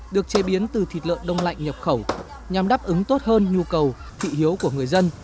được chế biến từ thịt lợn đông lạnh nhập khẩu nhằm đáp ứng tốt hơn nhu cầu thị hiếu của người dân